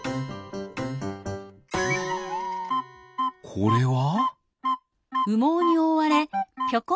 これは？